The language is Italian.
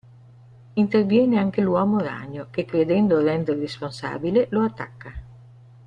Interviene anche l'uomo ragno, che, credendo Rand responsabile, lo attacca.